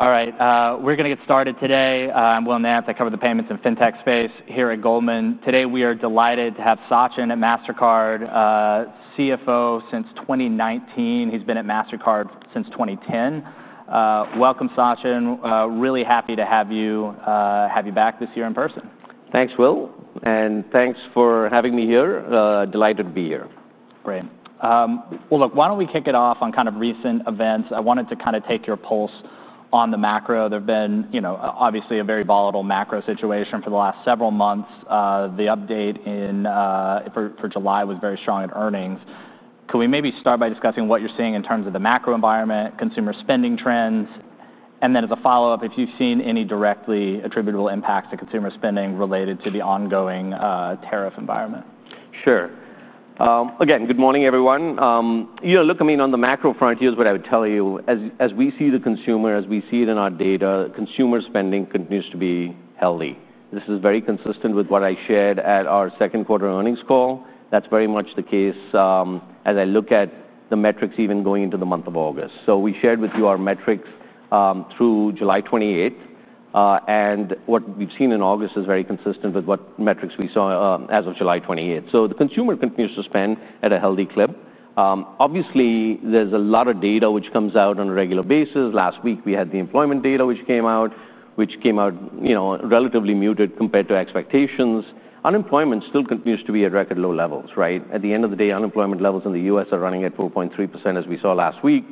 All right, we're going to get started today. I'm Will Nance. I cover the payments and fintech space here at Goldman. Today, we are delighted to have Sachin, a Mastercard CFO since 2019. He's been at Mastercard since 2010. Welcome, Sachin. Really happy to have you back this year in person. Thanks, Will. Thanks for having me here. Delighted to be here. Great. Why don't we kick it off on kind of recent events? I wanted to kind of take your pulse on the macro. There have been, you know, obviously a very volatile macro situation for the last several months. The update for July was very strong in earnings. Could we maybe start by discussing what you're seeing in terms of the macro environment, consumer spending trends? If you've seen any directly attributable impacts to consumer spending related to the ongoing tariff environment? Sure. Again, good morning, everyone. On the macro front, here's what I would tell you. As we see the consumer, as we see it in our data, consumer spending continues to be healthy. This is very consistent with what I shared at our second quarter earnings call. That's very much the case as I look at the metrics even going into the month of August. We shared with you our metrics through July 28th. What we've seen in August is very consistent with what metrics we saw as of July 28th. The consumer continues to spend at a healthy clip. Obviously, there's a lot of data which comes out on a regular basis. Last week, we had the employment data which came out, you know, relatively muted compared to expectations. Unemployment still continues to be at record low levels, right? At the end of the day, unemployment levels in the U.S. are running at 4.3% as we saw last week.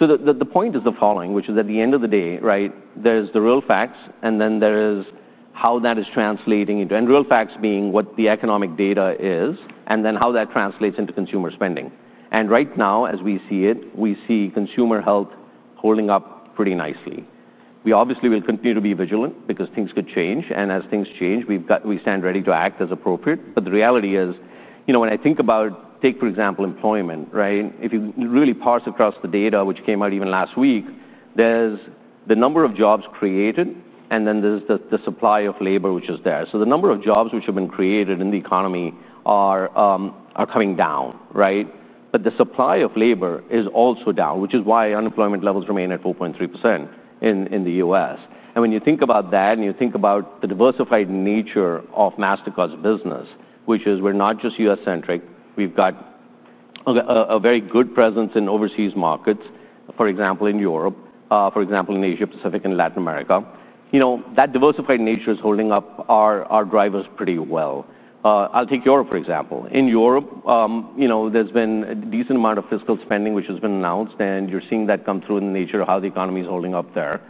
The point is the following, which is at the end of the day, right, there's the real facts. Then there is how that is translating into real facts, being what the economic data is, and then how that translates into consumer spending. Right now, as we see it, we see consumer health holding up pretty nicely. We obviously will continue to be vigilant because things could change. As things change, we stand ready to act as appropriate. The reality is, you know, when I think about, take for example, employment, right? If you really parse across the data which came out even last week, there's the number of jobs created. Then there's the supply of labor which is there. The number of jobs which have been created in the economy are coming down, right? The supply of labor is also down, which is why unemployment levels remain at 4.3% in the U.S. When you think about that, and you think about the diversified nature of Mastercard's business, which is we're not just U.S.-centric. We've got a very good presence in overseas markets, for example, in Europe, for example, in Asia Pacific and Latin America. That diversified nature is holding up our drivers pretty well. I'll take Europe, for example. In Europe, there's been a decent amount of fiscal spending which has been announced. You're seeing that come through in the nature of how the economy is holding up there.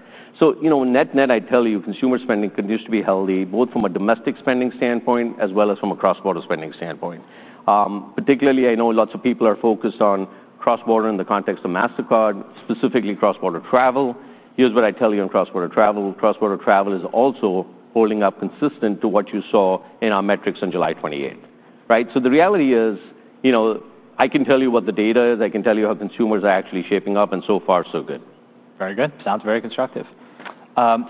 Net-net, I tell you, consumer spending continues to be healthy, both from a domestic spending standpoint as well as from a cross-border spending standpoint. Particularly, I know lots of people are focused on cross-border in the context of Mastercard, specifically cross-border travel. Here's what I tell you on cross-border travel. Cross-border travel is also holding up consistent to what you saw in our metrics on July 28th. The reality is, I can tell you what the data is. I can tell you how consumers are actually shaping up. So far, so good. Very good. Sounds very constructive.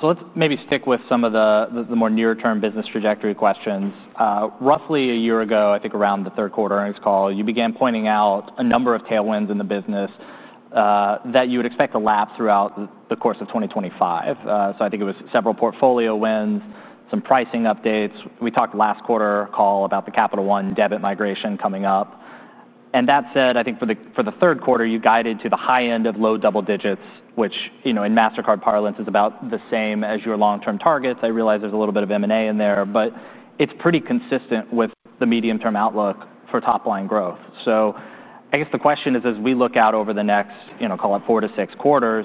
Let's maybe stick with some of the more near-term business trajectory questions. Roughly a year ago, I think around the third quarter earnings call, you began pointing out a number of tailwinds in the business that you would expect to lapse throughout the course of 2025. I think it was several portfolio wins, some pricing updates. We talked last quarter call about the Capital One debit migration coming up. That said, I think for the third quarter, you guided to the high end of low double digits, which, you know, in Mastercard parlance, is about the same as your long-term targets. I realize there's a little bit of M&A in there, but it's pretty consistent with the medium-term outlook for top-line growth. I guess the question is, as we look out over the next, you know, call it four to six quarters,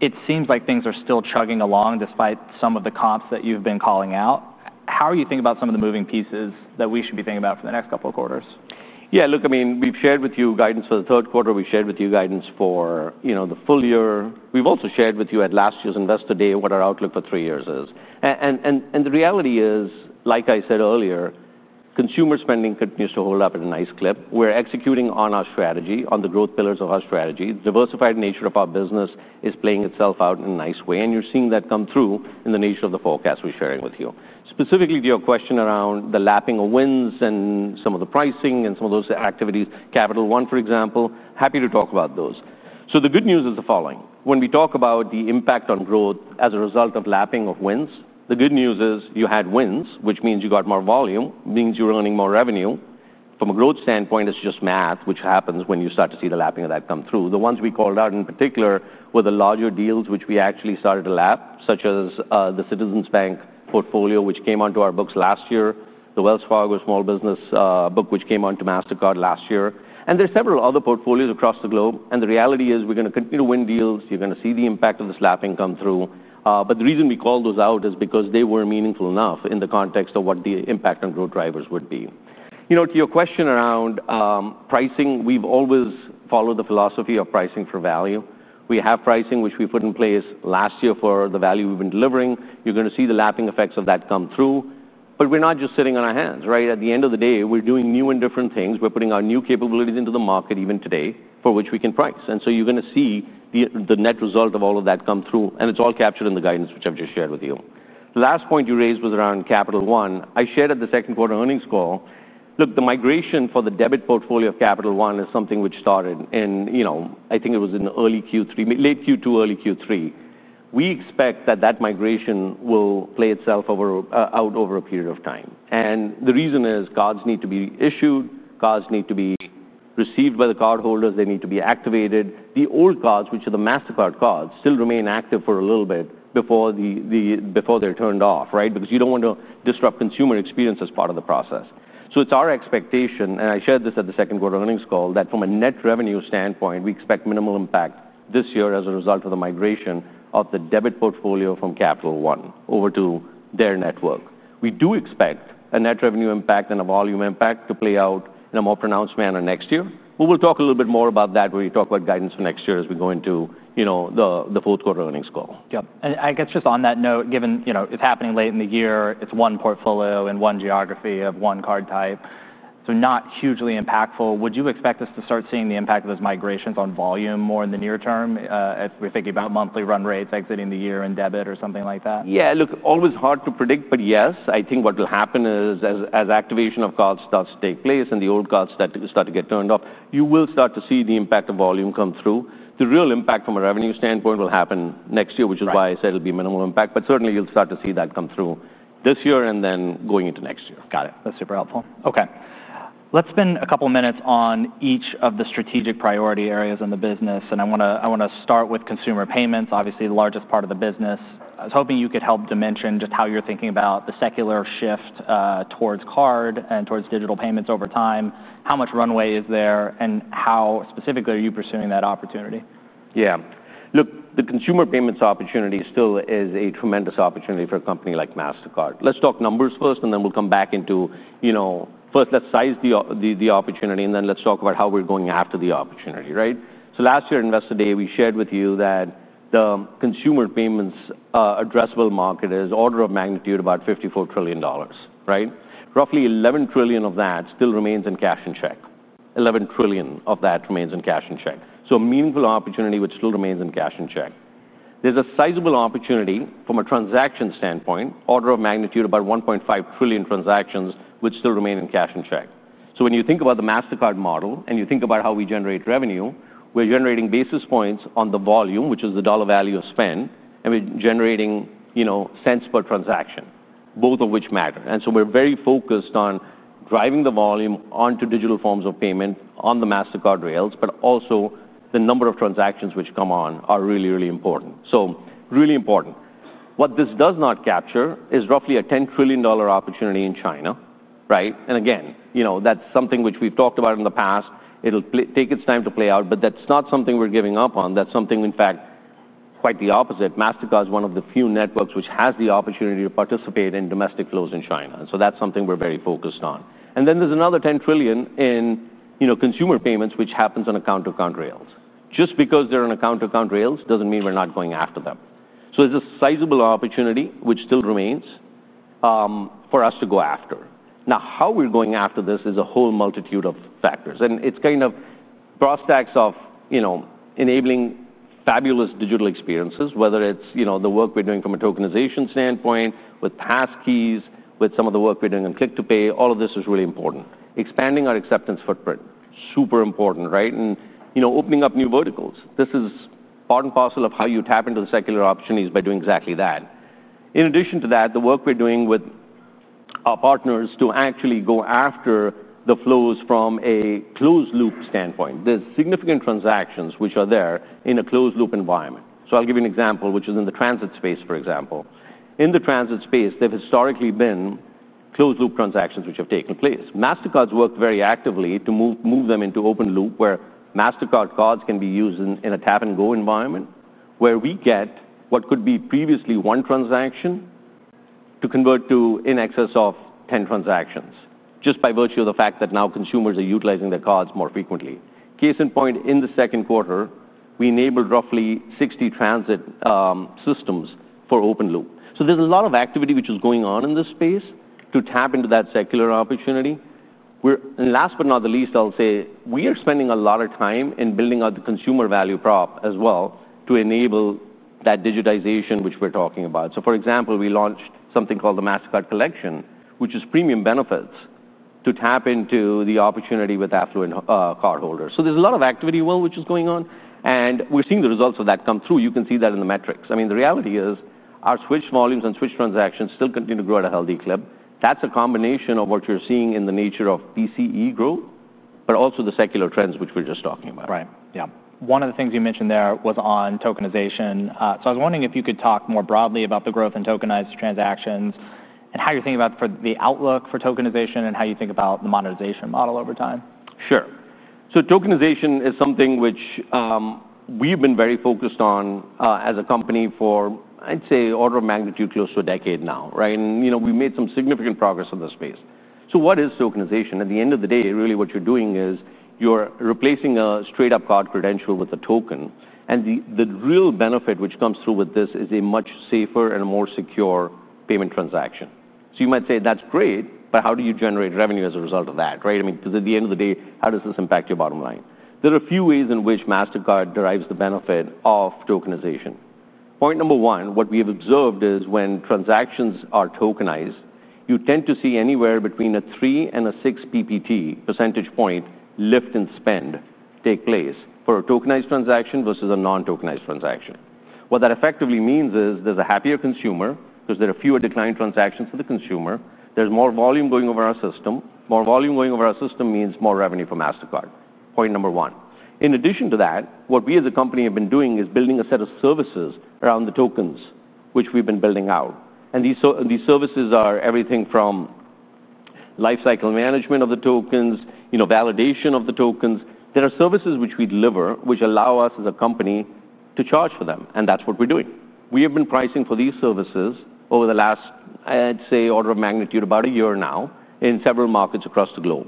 it seems like things are still chugging along despite some of the comps that you've been calling out. How are you thinking about some of the moving pieces that we should be thinking about for the next couple of quarters? Yeah, look, I mean, we've shared with you guidance for the third quarter. We've shared with you guidance for, you know, the full year. We've also shared with you at last year's Investor Day what our outlook for three years is. The reality is, like I said earlier, consumer spending continues to hold up at a nice clip. We're executing on our strategy, on the growth pillars of our strategy. The diversified nature of our business is playing itself out in a nice way. You're seeing that come through in the nature of the forecast we're sharing with you. Specifically to your question around the lapping of wins and some of the pricing and some of those activities, Capital One, for example, happy to talk about those. The good news is the following. When we talk about the impact on growth as a result of lapping of wins, the good news is you had wins, which means you got more volume, means you're earning more revenue. From a growth standpoint, it's just math, which happens when you start to see the lapping of that come through. The ones we called out in particular were the larger deals which we actually started to lap, such as the Citizens Bank portfolio, which came onto our books last year, the Wells Fargo Small Business book, which came onto Mastercard last year. There are several other portfolios across the globe. The reality is we're going to continue to win deals. You're going to see the impact of this lapping come through. The reason we called those out is because they were meaningful enough in the context of what the impact on growth drivers would be. You know, to your question around pricing, we've always followed the philosophy of pricing for value. We have pricing which we put in place last year for the value we've been delivering. You're going to see the lapping effects of that come through. We're not just sitting on our hands, right? At the end of the day, we're doing new and different things. We're putting our new capabilities into the market even today for which we can price. You're going to see the net result of all of that come through. It's all captured in the guidance which I've just shared with you. The last point you raised was around Capital One. I shared at the second quarter earnings call, look, the migration for the debit portfolio of Capital One is something which started in, you know, I think it was in the early Q3, late Q2, early Q3. We expect that migration will play itself out over a period of time. The reason is cards need to be issued, cards need to be received by the cardholders, they need to be activated. The old cards, which are the Mastercard cards, still remain active for a little bit before they're turned off, right? You don't want to disrupt consumer experience as part of the process. It's our expectation, and I shared this at the second quarter earnings call, that from a net revenue standpoint, we expect minimal impact this year as a result of the migration of the debit portfolio from Capital One over to their network. We do expect a net revenue impact and a volume impact to play out in a more pronounced manner next year. We will talk a little bit more about that when we talk about guidance for next year as we go into the fourth quarter earnings call. Yeah. I guess just on that note, given, you know, it's happening late in the year, it's one portfolio in one geography of one card type, so not hugely impactful. Would you expect us to start seeing the impact of those migrations on volume more in the near term? We're thinking about monthly run rates exiting the year in debit or something like that. Yeah, look, always hard to predict, but yes, I think what will happen is as activation of cards starts to take place and the old cards start to get turned off, you will start to see the impact of volume come through. The real impact from a revenue standpoint will happen next year, which is why I said it'll be minimal impact. Certainly, you'll start to see that come through this year and then going into next year. Got it. That's super helpful. Okay. Let's spend a couple of minutes on each of the strategic priority areas in the business. I want to start with consumer payments. Obviously, the largest part of the business. I was hoping you could help dimension just how you're thinking about the secular shift towards card and towards digital payments over time. How much runway is there? How specifically are you pursuing that opportunity? Yeah. Look, the consumer payments opportunity still is a tremendous opportunity for a company like Mastercard. Let's talk numbers first, and then we'll come back into, you know, first let's size the opportunity and then let's talk about how we're going after the opportunity, right? Last year at Investor Day, we shared with you that the consumer payments addressable market is order of magnitude about $54 trillion, right? Roughly $11 trillion of that still remains in cash and check. $11 trillion of that remains in cash and check. A meaningful opportunity which still remains in cash and check. There's a sizable opportunity from a transaction standpoint, order of magnitude about 1.5 trillion transactions which still remain in cash and check. When you think about the Mastercard model and you think about how we generate revenue, we're generating basis points on the volume, which is the dollar value of spend. We're generating, you know, cents per transaction, both of which matter. We're very focused on driving the volume onto digital forms of payment on the Mastercard rails, but also the number of transactions which come on are really, really important. Really important. What this does not capture is roughly a $10 trillion opportunity in China, right? Again, you know, that's something which we've talked about in the past. It'll take its time to play out. That's not something we're giving up on. That's something, in fact, quite the opposite. Mastercard is one of the few networks which has the opportunity to participate in domestic flows in China. That's something we're very focused on. There's another $10 trillion in, you know, consumer payments, which happens on account-to-account rails. Just because they're on account-to-account rails doesn't mean we're not going after them. There's a sizable opportunity which still remains for us to go after. How we're going after this is a whole multitude of factors. It's kind of prospects of, you know, enabling fabulous digital experiences, whether it's, you know, the work we're doing from a tokenization standpoint, with pass keys, with some of the work we're doing on click-to-pay. All of this is really important. Expanding our acceptance footprint, super important, right? You know, opening up new verticals. This is part and parcel of how you tap into the secular opportunities by doing exactly that. In addition to that, the work we're doing with our partners to actually go after the flows from a closed loop standpoint, there's significant transactions which are there in a closed loop environment. I'll give you an example, which is in the transit space, for example. In the transit space, there have historically been closed loop transactions which have taken place. Mastercard's worked very actively to move them into open loop, where Mastercard cards can be used in a tap-and-go environment, where we get what could be previously one transaction to convert to in excess of 10 transactions, just by virtue of the fact that now consumers are utilizing their cards more frequently. Case in point, in the second quarter, we enabled roughly 60 transit systems for open loop. There's a lot of activity which is going on in this space to tap into that secular opportunity. Last but not the least, I'll say we are spending a lot of time in building out the consumer value prop as well to enable that digitization which we're talking about. For example, we launched something called the Mastercard Collection, which is premium benefits to tap into the opportunity with affluent card holders. There's a lot of activity as well which is going on, and we're seeing the results of that come through. You can see that in the metrics. I mean, the reality is our switch volumes and switch transactions still continue to grow at a healthy clip. That's a combination of what you're seeing in the nature of PCE growth, but also the secular trends which we're just talking about. Right. Yeah. One of the things you mentioned there was on tokenization. I was wondering if you could talk more broadly about the growth in tokenized transactions and how you're thinking about the outlook for tokenization and how you think about the monetization model over time. Sure. Tokenization is something which we've been very focused on as a company for, I'd say, order of magnitude close to a decade now, right? We've made some significant progress in this space. What is tokenization? At the end of the day, really what you're doing is you're replacing a straight-up card credential with a token. The real benefit which comes through with this is a much safer and a more secure payment transaction. You might say that's great, but how do you generate revenue as a result of that, right? I mean, because at the end of the day, how does this impact your bottom line? There are a few ways in which Mastercard derives the benefit of tokenization. Point number one, what we have observed is when transactions are tokenized, you tend to see anywhere between a 3 and a 6 percentage point lift in spend take place for a tokenized transaction versus a non-tokenized transaction. What that effectively means is there's a happier consumer because there are fewer declined transactions to the consumer. There's more volume going over our system. More volume going over our system means more revenue for Mastercard. Point number one. In addition to that, what we as a company have been doing is building a set of services around the tokens which we've been building out. These services are everything from lifecycle management of the tokens, validation of the tokens. There are services which we deliver which allow us as a company to charge for them. That's what we're doing. We have been pricing for these services over the last, I'd say, order of magnitude about a year now in several markets across the globe,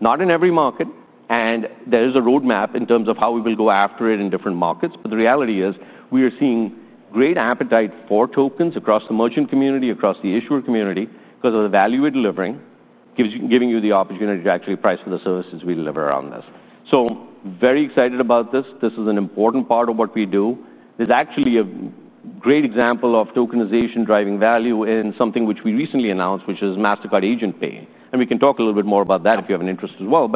not in every market. There is a roadmap in terms of how we will go after it in different markets. The reality is we are seeing great appetite for tokens across the merchant community, across the issuer community, because of the value we're delivering, giving you the opportunity to actually price for the services we deliver around this. Very excited about this. This is an important part of what we do. There's actually a great example of tokenization driving value in something which we recently announced, which is Mastercard Agent Pay. We can talk a little bit more about that if you have an interest as well.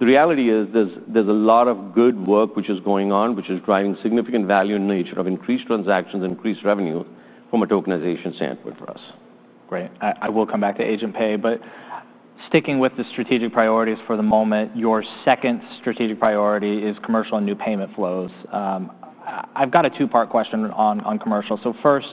The reality is there's a lot of good work which is going on, which is driving significant value in nature of increased transactions, increased revenue from a tokenization standpoint for us. Great. I will come back to Agent Pay. Sticking with the strategic priorities for the moment, your second strategic priority is Commercial and New Payment flows. I've got a two-part question on Commercial. First,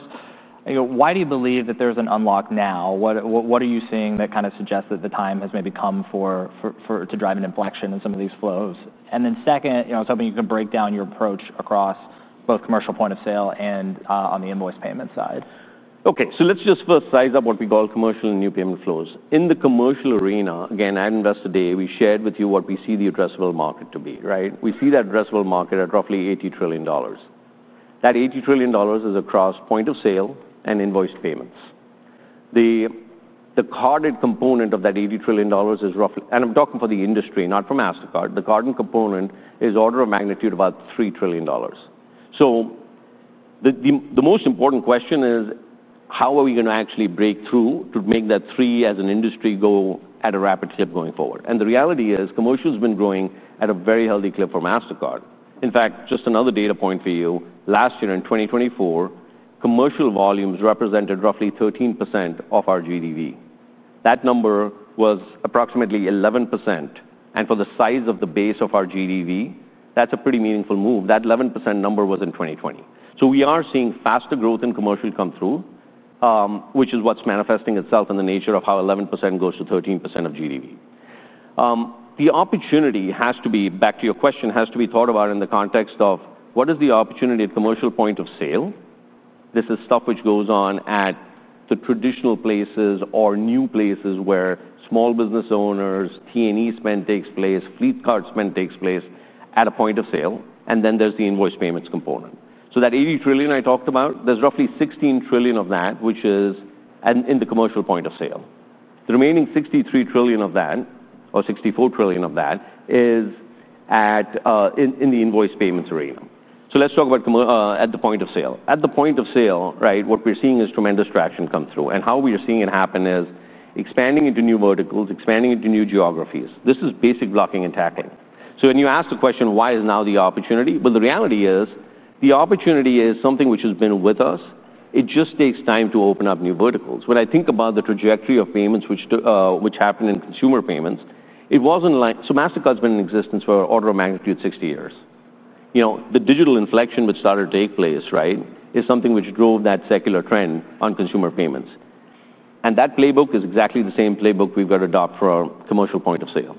why do you believe that there's an unlock now? What are you seeing that suggests that the time has maybe come to drive an inflection in some of these flows? Then, can you break down your approach across both commercial point-of-sale and on the invoice payment side? Okay, so let's just first size up what we call commercial and new payment flows. In the commercial arena, again, at Investor Day, we shared with you what we see the addressable market to be, right? We see that addressable market at roughly $80 trillion. That $80 trillion is across point of sale and invoice payments. The carded component of that $80 trillion is roughly, and I'm talking for the industry, not for Mastercard, the carded component is order of magnitude about $3 trillion. The most important question is how are we going to actually break through to make that $3 trillion as an industry go at a rapid clip going forward? The reality is commercial has been growing at a very healthy clip for Mastercard. In fact, just another data point for you. Last year in 2024, commercial volumes represented roughly 13% of our GDP. That number was approximately 11%. For the size of the base of our GDP, that's a pretty meaningful move. That 11% number was in 2020. We are seeing faster growth in commercial come through, which is what's manifesting itself in the nature of how 11% goes to 13% of GDP. The opportunity has to be, back to your question, has to be thought about in the context of what is the opportunity at commercial point of sale. This is stuff which goes on at the traditional places or new places where small business owners, T&E spend takes place, fleet card spend takes place at a point of sale. Then there's the invoice payments component. That $80 trillion I talked about, there's roughly $16 trillion of that which is in the commercial point of sale. The remaining $63 trillion of that, or $64 trillion of that, is in the invoice payments arena. Let's talk about at the point of sale. At the point of sale, what we're seeing is tremendous traction come through. How we are seeing it happen is expanding into new verticals, expanding into new geographies. This is basic blocking and tackling. When you ask the question, why is now the opportunity? The reality is the opportunity is something which has been with us. It just takes time to open up new verticals. When I think about the trajectory of payments which happened in consumer payments, it wasn't like, so Mastercard's been in existence for an order of magnitude 60 years. You know, the digital inflection which started to take place, right, is something which drove that secular trend on consumer payments. That playbook is exactly the same playbook we've got to adopt for our commercial point of sale.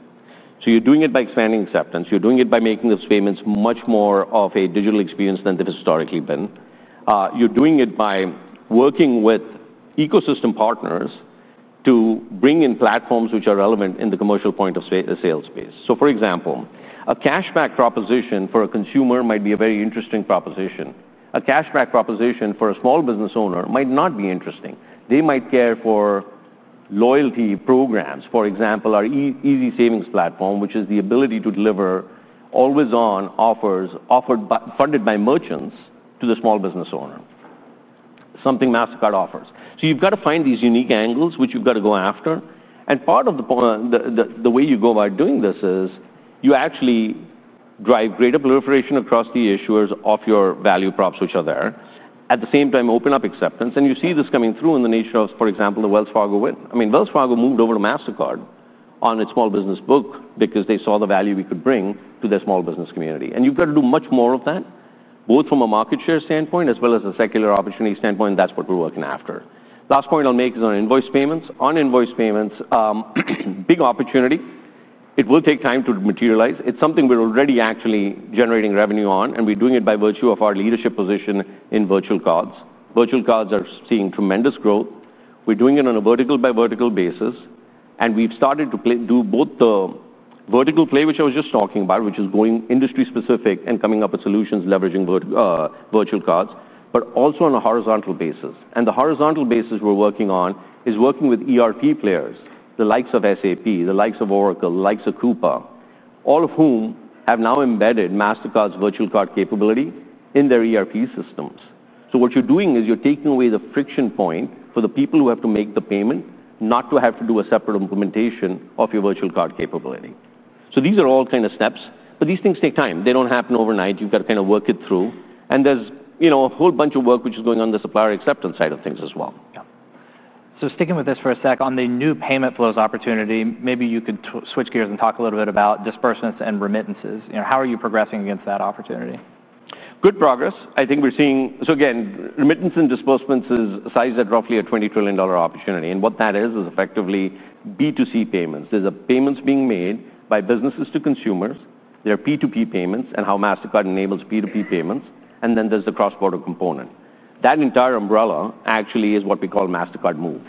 You're doing it by expanding acceptance, making those payments much more of a digital experience than they've historically been, and working with ecosystem partners to bring in platforms which are relevant in the commercial point of sale space. For example, a cashback proposition for a consumer might be a very interesting proposition. A cashback proposition for a small business owner might not be interesting. They might care for loyalty programs. For example, our Easy Savings platform, which is the ability to deliver always-on offers funded by merchants to the small business owner, is something Mastercard offers. You've got to find these unique angles which you've got to go after. Part of the way you go about doing this is you actually drive greater proliferation across the issuers of your value props, which are there. At the same time, open up acceptance. You see this coming through in the nature of, for example, the Wells Fargo win. Wells Fargo moved over to Mastercard on its small business book because they saw the value we could bring to their small business community. You've got to do much more of that, both from a market share standpoint as well as a secular opportunity standpoint. That's what we're working after. Last point I'll make is on invoice payments. On Invoice Payments, big opportunity. It will take time to materialize. It's something we're already actually generating revenue on, and we're doing it by virtue of our leadership position in virtual cards. Virtual cards are seeing tremendous growth. We're doing it on a vertical by vertical basis, and we've started to do both the vertical play, which I was just talking about, which is going industry-specific and coming up with solutions leveraging virtual cards, but also on a horizontal basis. The horizontal basis we're working on is working with ERP providers, the likes of SAP, the likes of Oracle, the likes of Coupa, all of whom have now embedded Mastercard's virtual card capability in their ERP systems. What you're doing is you're taking away the friction point for the people who have to make the payment not to have to do a separate implementation of your virtual card capability. These are all kind of steps, but these things take time. They don't happen overnight. You've got to kind of work it through. There is a whole bunch of work which is going on the supplier acceptance side of things as well. Yeah. Sticking with this for a sec, on the new payment flows opportunity, maybe you could switch gears and talk a little bit about disbursements and remittances. You know, how are you progressing against that opportunity? Good progress. I think we're seeing, again, remittance and disbursements size at roughly a $20 trillion opportunity. What that is is effectively B2C payments. There's payments being made by businesses to consumers. There are P2P payments and how Mastercard enables P2P payments. Then there's the cross-border component. That entire umbrella actually is what we call Mastercard Move.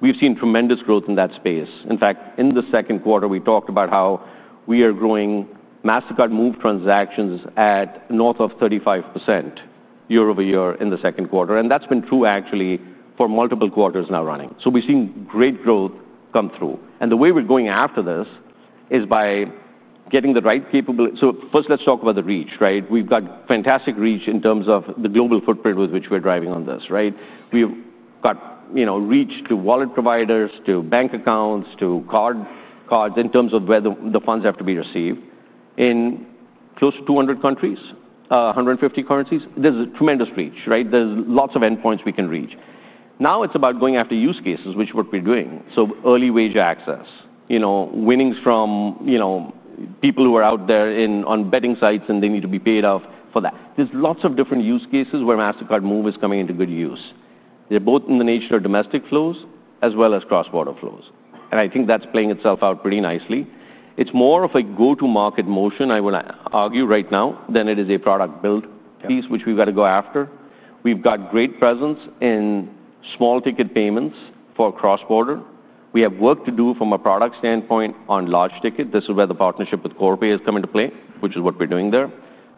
We've seen tremendous growth in that space. In fact, in the second quarter, we talked about how we are growing Mastercard Move transactions at north of 35% year-over-year in the second quarter. That's been true actually for multiple quarters now running. We've seen great growth come through. The way we're going after this is by getting the right capability. First, let's talk about the reach, right? We've got fantastic reach in terms of the global footprint with which we're driving on this, right? We've got, you know, reach to wallet providers, to bank accounts, to cards in terms of where the funds have to be received. In close to 200 countries, 150 currencies, there's a tremendous reach, right? There's lots of endpoints we can reach. Now it's about going after use cases, which is what we're doing. Early wage access, winnings from people who are out there on betting sites and they need to be paid off for that. There's lots of different use cases where Mastercard Move is coming into good use. They're both in the nature of domestic flows as well as cross-border flows. I think that's playing itself out pretty nicely. It's more of a go-to-market motion, I would argue, right now than it is a product build piece which we've got to go after. We've got great presence in small ticket payments for cross-border. We have work to do from a product standpoint on large ticket. This is where the partnership with Corpay is coming to play, which is what we're doing there.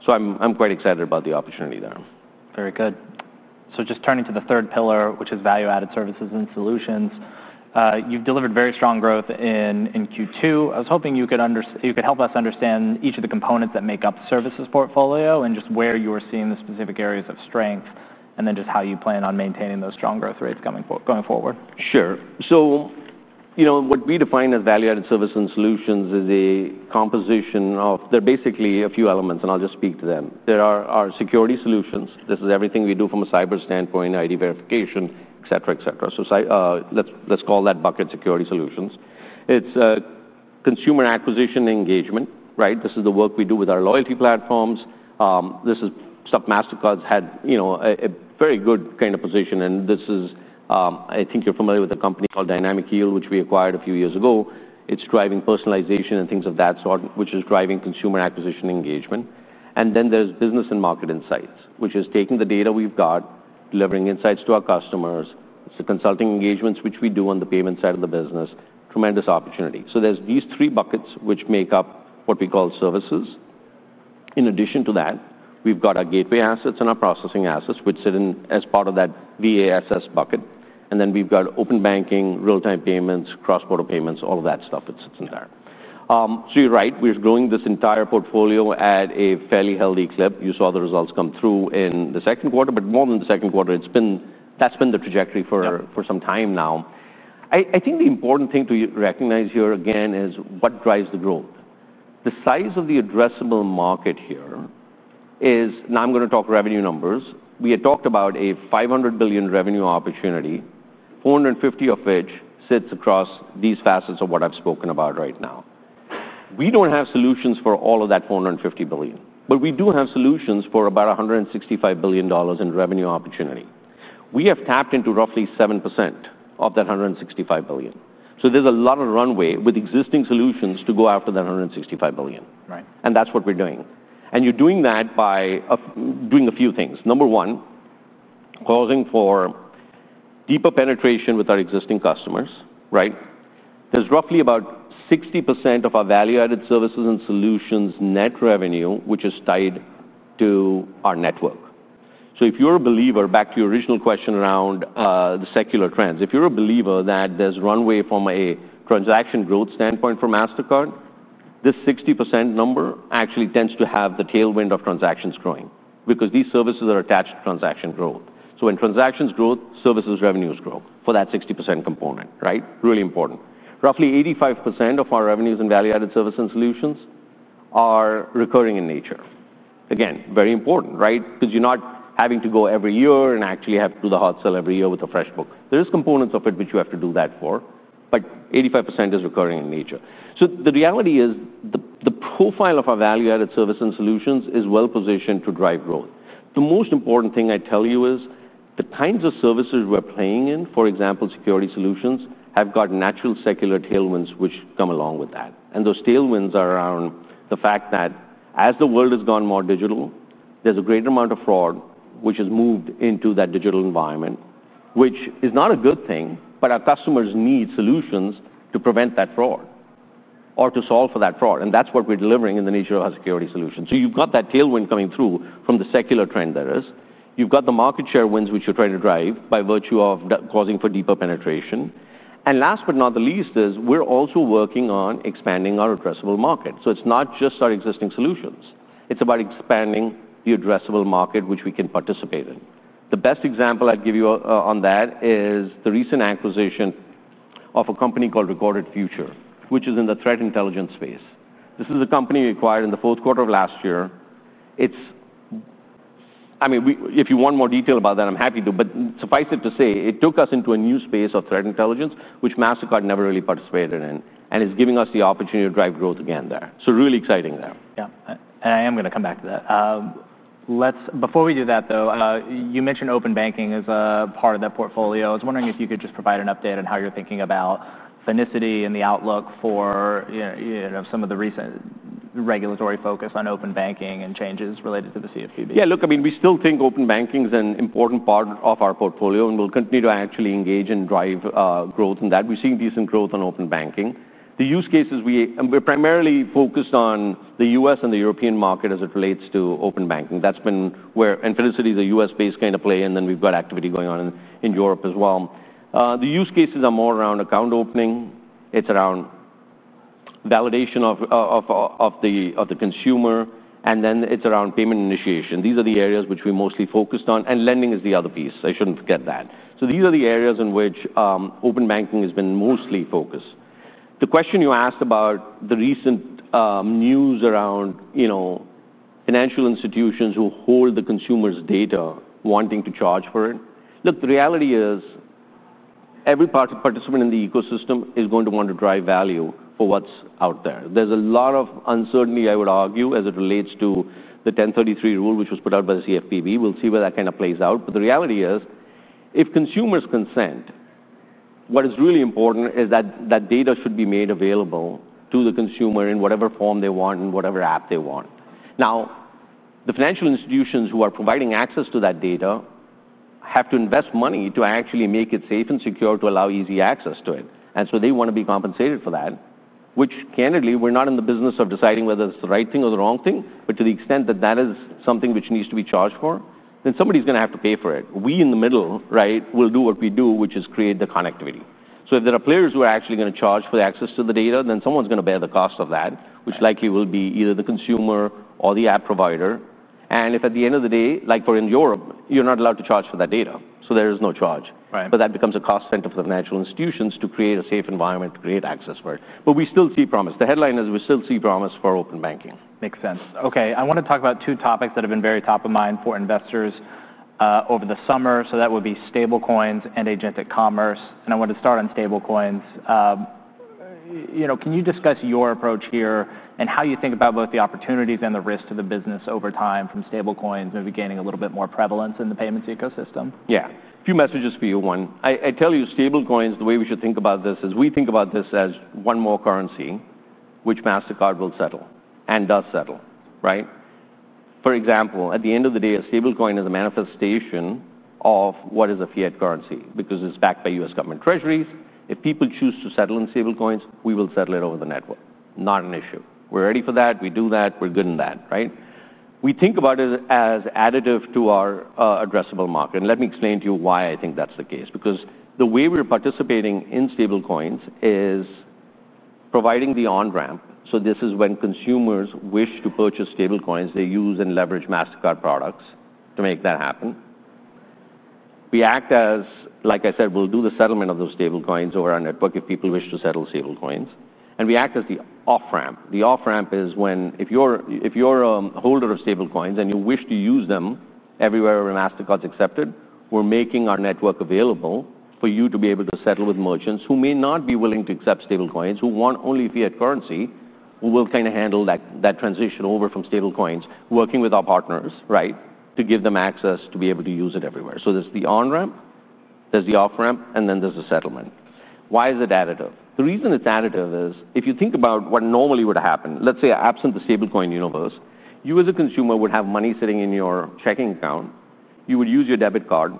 I'm quite excited about the opportunity there. Very good. Just turning to the third pillar, which is value-added services and solutions, you've delivered very strong growth in Q2. I was hoping you could help us understand each of the components that make up the services portfolio and just where you were seeing the specific areas of strength and then just how you plan on maintaining those strong growth rates going forward. Sure. What we define as value-added services and solutions is a composition of, they're basically a few elements, and I'll just speak to them. There are our security solutions. This is everything we do from a cyber standpoint, ID verification, et cetera. Let's call that bucket security solutions. It's consumer acquisition engagement, right? This is the work we do with our loyalty platforms. This is stuff Mastercard's had a very good kind of position. I think you're familiar with the company called Dynamic Yield, which we acquired a few years ago. It's driving personalization and things of that sort, which is driving consumer acquisition engagement. Then there's business and market insights, which is taking the data we've got, delivering insights to our customers, consulting engagements which we do on the payment side of the business, tremendous opportunity. There are these three buckets which make up what we call services. In addition to that, we've got our gateway assets and our processing assets, which sit in as part of that VASS bucket. We've got open banking, real-time payments, cross-border payments, all of that stuff that sits in there. You're right, we're growing this entire portfolio at a fairly healthy clip. You saw the results come through in the second quarter. More than the second quarter, that's been the trajectory for some time now. I think the important thing to recognize here again is what drives the growth. The size of the addressable market here is, now I'm going to talk revenue numbers. We had talked about a $500 billion revenue opportunity, $450 billion of which sits across these facets of what I've spoken about right now. We don't have solutions for all of that $450 billion, but we do have solutions for about $165 billion in revenue opportunity. We have tapped into roughly 7% of that $165 billion. There's a lot of runway with existing solutions to go after that $165 billion. That's what we're doing. You're doing that by doing a few things. Number one, causing for deeper penetration with our existing customers, right? There's roughly about 60% of our value-added services and solutions net revenue, which is tied to our network. If you're a believer, back to your original question around the secular trends, if you're a believer that there's runway from a transaction growth standpoint for Mastercard, this 60% number actually tends to have the tailwind of transactions growing because these services are attached to transaction growth. When transactions grow, services revenues grow for that 60% component, right? Really important. Roughly 85% of our revenues in value-added services and solutions are recurring in nature. Again, very important, right? Because you're not having to go every year and actually have to do the hot sale every year with a fresh book. There are components of it which you have to do that for, but 85% is recurring in nature. The reality is the profile of our value-added services and solutions is well positioned to drive growth. The most important thing I tell you is the kinds of services we're playing in, for example, security solutions, have got natural secular tailwinds which come along with that. Those tailwinds are around the fact that as the world has gone more digital, there's a greater amount of fraud which has moved into that digital environment, which is not a good thing, but our customers need solutions to prevent that fraud or to solve for that fraud. That's what we're delivering in the nature of our security solutions. You've got that tailwind coming through from the secular trend there is. You've got the market share wins which you're trying to drive by virtue of causing for deeper penetration. Last but not the least is we're also working on expanding our addressable market. It's not just our existing solutions. It's about expanding the addressable market which we can participate in. The best example I'd give you on that is the recent acquisition of a company called Recorded Future, which is in the threat intelligence space. This is a company we acquired in the fourth quarter of last year. If you want more detail about that, I'm happy to. Suffice it to say, it took us into a new space of threat intelligence, which Mastercard never really participated in and is giving us the opportunity to drive growth again there. Really exciting there. Yeah. I am going to come back to that. Before we do that, though, you mentioned open banking as a part of that portfolio. I was wondering if you could just provide an update on how you're thinking about Finicity and the outlook for some of the recent regulatory focus on open banking and changes related to the CFPB. Yeah, look, I mean, we still think open banking is an important part of our portfolio and will continue to actually engage and drive growth in that. We've seen decent growth on open banking. The use cases we're primarily focused on are the U.S. and the European market as it relates to open banking. That's been where, infinitely, the U.S.-based kind of play. We've got activity going on in Europe as well. The use cases are more around account opening, validation of the consumer, and payment initiation. These are the areas which we're mostly focused on. Lending is the other piece. I shouldn't forget that. These are the areas in which open banking has been mostly focused. The question you asked about the recent news around, you know, financial institutions who hold the consumer's data wanting to charge for it. The reality is every participant in the ecosystem is going to want to drive value for what's out there. There's a lot of uncertainty, I would argue, as it relates to the 1033 rule, which was put out by the CFPB. We'll see where that kind of plays out. The reality is if consumers consent, what is really important is that data should be made available to the consumer in whatever form they want and whatever app they want. Now, the financial institutions who are providing access to that data have to invest money to actually make it safe and secure to allow easy access to it. They want to be compensated for that, which, candidly, we're not in the business of deciding whether it's the right thing or the wrong thing. To the extent that that is something which needs to be charged for, then somebody's going to have to pay for it. We in the middle, right, will do what we do, which is create the connectivity. If there are players who are actually going to charge for the access to the data, then someone's going to bear the cost of that, which likely will be either the consumer or the app provider. If at the end of the day, like for in Europe, you're not allowed to charge for that data, there is no charge. That becomes a cost center for the financial institutions to create a safe environment to create access for it. We still see promise. The headline is we still see promise for open banking. Makes sense. Okay, I want to talk about two topics that have been very top of mind for investors over the summer. That would be stablecoins and agentic commerce. I want to start on stablecoins. You know, can you discuss your approach here and how you think about both the opportunities and the risk to the business over time from stablecoins maybe gaining a little bit more prevalence in the payments ecosystem? Yeah, a few messages for you. One, I tell you, stablecoins, the way we should think about this is we think about this as one more currency which Mastercard will settle and does settle, right? For example, at the end of the day, a stablecoin is a manifestation of what is a fiat currency because it's backed by U.S. government treasuries. If people choose to settle in stablecoins, we will settle it over the network. Not an issue. We're ready for that. We do that. We're good in that, right? We think about it as additive to our addressable market. Let me explain to you why I think that's the case. The way we're participating in stablecoins is providing the on-ramp. This is when consumers wish to purchase stablecoins, they use and leverage Mastercard products to make that happen. We act as, like I said, we'll do the settlement of those stablecoins over our network if people wish to settle stablecoins. We act as the off-ramp. The off-ramp is when, if you're a holder of stablecoins and you wish to use them everywhere where Mastercard's accepted, we're making our network available for you to be able to settle with merchants who may not be willing to accept stablecoins, who want only fiat currency, who will handle that transition over from stablecoins, working with our partners to give them access to be able to use it everywhere. There's the on-ramp, there's the off-ramp, and then there's the settlement. Why is it additive? The reason it's additive is if you think about what normally would happen, let's say absent the stablecoin universe, you as a consumer would have money sitting in your checking account. You would use your debit card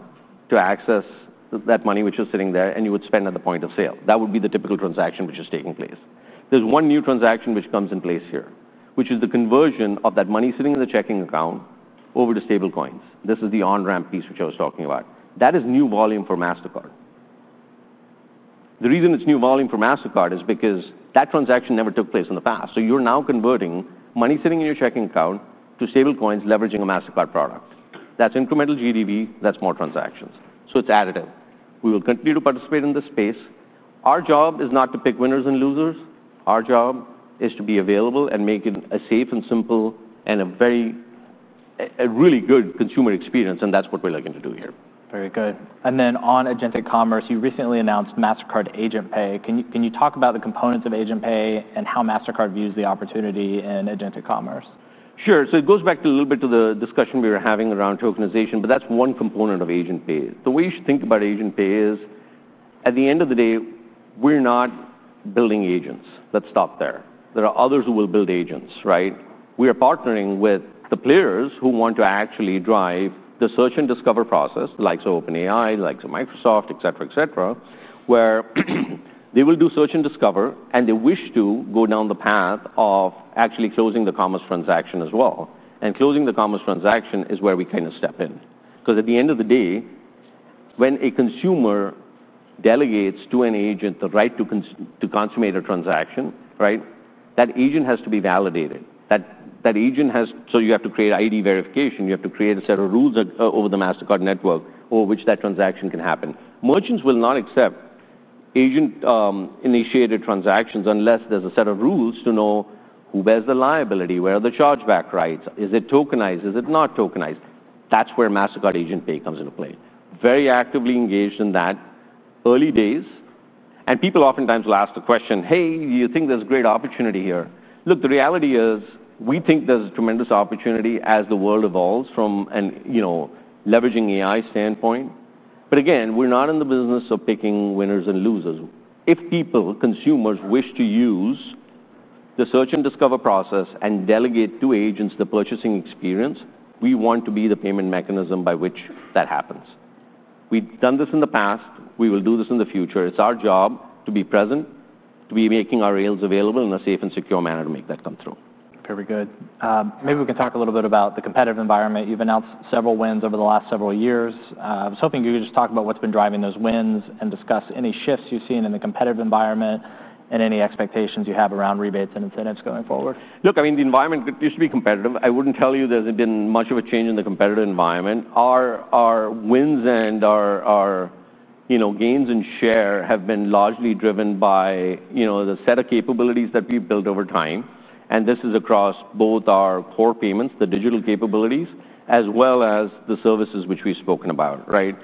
to access that money which is sitting there, and you would spend at the point of sale. That would be the typical transaction which is taking place. There's one new transaction which comes in place here, which is the conversion of that money sitting in the checking account over to stablecoins. This is the on-ramp piece which I was talking about. That is new volume for Mastercard. The reason it's new volume for Mastercard is because that transaction never took place in the past. You're now converting money sitting in your checking account to stablecoins leveraging a Mastercard product. That's incremental GDV. That's more transactions. It's additive. We will continue to participate in this space. Our job is not to pick winners and losers. Our job is to be available and make it a safe and simple and a really good consumer experience. That's what we're looking to do here. Very good. On agentic commerce, you recently announced Mastercard Agent Pay. Can you talk about the components of Agent Pay and how Mastercard views the opportunity in agentic commerce? Sure. It goes back a little bit to the discussion we were having around tokenization. That's one component of agentic commerce. The way you should think about agentic commerce is, at the end of the day, we're not building agents. Let's stop there. There are others who will build agents, right? We are partnering with the players who want to actually drive the search and discover process, the likes of OpenAI, the likes of Microsoft, et cetera, et cetera, where they will do search and discover, and they wish to go down the path of actually closing the commerce transaction as well. Closing the commerce transaction is where we kind of step in. At the end of the day, when a consumer delegates to an agent the right to consummate a transaction, that agent has to be validated. That agent has, so you have to create ID verification. You have to create a set of rules over the Mastercard network over which that transaction can happen. Merchants will not accept agent-initiated transactions unless there's a set of rules to know who bears the liability, where are the chargeback rights, is it tokenized, is it not tokenized. That's where Mastercard Agent Pay comes into play. Very actively engaged in that, early days. People oftentimes will ask the question, hey, do you think there's great opportunity here? The reality is we think there's a tremendous opportunity as the world evolves from, you know, leveraging AI standpoint. Again, we're not in the business of picking winners and losers. If people, consumers, wish to use the search and discover process and delegate to agents the purchasing experience, we want to be the payment mechanism by which that happens. We've done this in the past. We will do this in the future. It's our job to be present, to be making our rails available in a safe and secure manner to make that come through. Very good. Maybe we can talk a little bit about the competitive environment. You've announced several wins over the last several years. I was hoping you could just talk about what's been driving those wins and discuss any shifts you've seen in the competitive environment and any expectations you have around rebates and incentives going forward. Look, I mean, the environment used to be competitive. I wouldn't tell you there's been much of a change in the competitive environment. Our wins and our, you know, gains in share have been largely driven by, you know, the set of capabilities that we've built over time. This is across both our core payments, the digital capabilities, as well as the services which we've spoken about, right?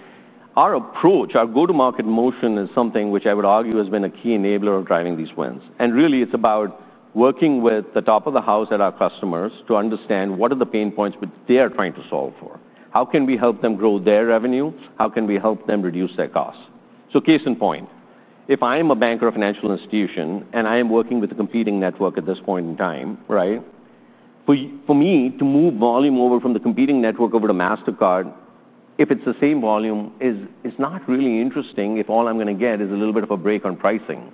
Our approach, our go-to-market motion is something which I would argue has been a key enabler of driving these wins. It's about working with the top of the house at our customers to understand what are the pain points which they are trying to solve for. How can we help them grow their revenue? How can we help them reduce their cost? Case in point, if I am a banker or financial institution and I am working with a competing network at this point in time, for me to move volume over from the competing network over to Mastercard, if it's the same volume, it's not really interesting if all I'm going to get is a little bit of a break on pricing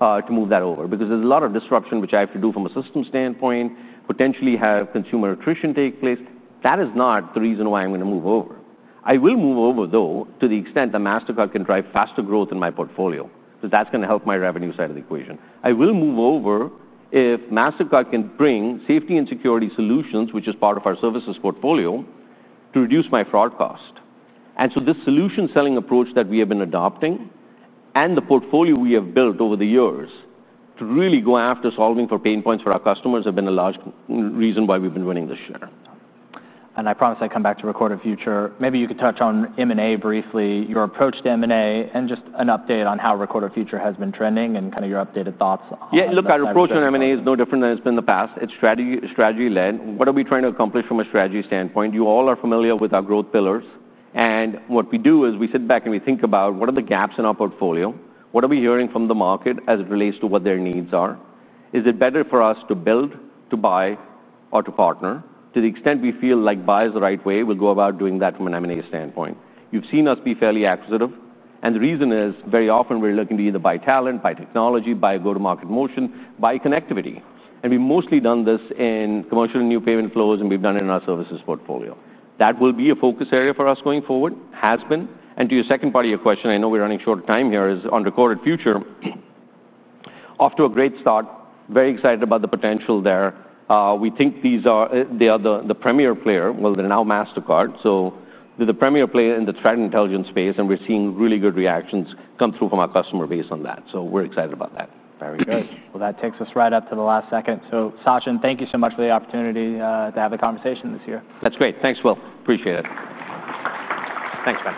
to move that over. There is a lot of disruption which I have to do from a system standpoint, potentially have consumer attrition take place. That is not the reason why I'm going to move over. I will move over, though, to the extent that Mastercard can drive faster growth in my portfolio. That's going to help my revenue side of the equation. I will move over if Mastercard can bring safety and security solutions, which is part of our services portfolio, to reduce my fraud cost. This solution selling approach that we have been adopting and the portfolio we have built over the years to really go after solving for pain points for our customers have been a large reason why we've been winning this year. I promise I come back to Recorded Future. Maybe you could touch on M&A briefly, your approach to M&A, and just an update on how Recorded Future has been trending and kind of your updated thoughts. Yeah, look, our approach to M&A is no different than it's been in the past. It's strategy-led. What are we trying to accomplish from a strategy standpoint? You all are familiar with our growth pillars. What we do is we sit back and we think about what are the gaps in our portfolio? What are we hearing from the market as it relates to what their needs are? Is it better for us to build, to buy, or to partner? To the extent we feel like buy is the right way, we'll go about doing that from an M&A standpoint. You've seen us be fairly acquisitive. The reason is very often we're looking to either buy talent, buy technology, buy a go-to-market motion, buy connectivity. We've mostly done this in commercial and new payment flows, and we've done it in our services portfolio. That will be a focus area for us going forward, has been. To your second part of your question, I know we're running short of time here, is on Recorded Future. Off to a great start. Very excited about the potential there. We think they are the premier player. They're now Mastercard. They're the premier player in the threat intelligence space. We're seeing really good reactions come through from our customer base on that. We're excited about that. Very good. That takes us right up to the last second. Sachin, thank you so much for the opportunity to have a conversation this year. That's great. Thanks, Will. Appreciate it. Thanks. Bye.